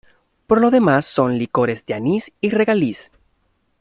Por lo demás son licores de anís y regaliz.